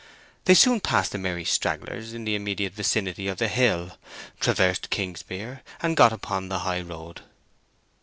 They soon passed the merry stragglers in the immediate vicinity of the hill, traversed Kingsbere, and got upon the high road.